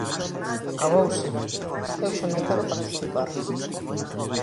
Acabouse… Eu xa non quero participar!